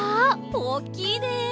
おおきいね！